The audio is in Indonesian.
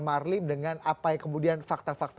marlim dengan apa yang kemudian fakta fakta